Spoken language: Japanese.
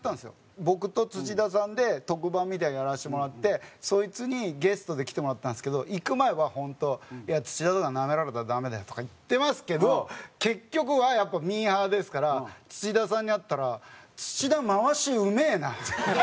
僕と土田さんで特番みたいなのやらせてもらってそいつにゲストで来てもらったんですけど行く前は本当「いや土田とかになめられたらダメだよ」とか言ってますけど結局はやっぱミーハーですから土田さんに会ったら「土田回しうめえな」。